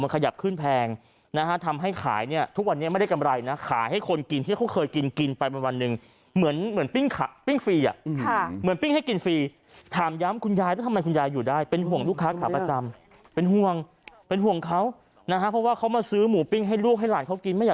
ขยับขึ้นแพงนะฮะทำให้ขายเนี่ยทุกวันนี้ไม่ได้กำไรนะขายให้คนกินที่เขาเคยกินกินไปวันหนึ่งเหมือนเหมือนปิ้งฟรีอ่ะค่ะเหมือนปิ้งให้กินฟรีถามย้ำคุณยายแล้วทำไมคุณยายอยู่ได้เป็นห่วงลูกค้าขาประจำเป็นห่วงเป็นห่วงเขานะฮะเพราะว่าเขามาซื้อหมูปิ้งให้ลูกให้หลานเขากินไม่อยาก